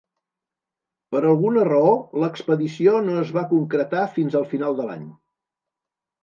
Per alguna raó l'expedició no es va concretar fins al final de l'any.